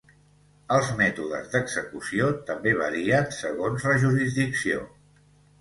Els mètodes d'execució també varien segons la jurisdicció.